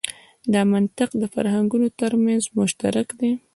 دا منطق د فرهنګونو تر منځ مشترک دی.